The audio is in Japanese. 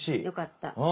よかった。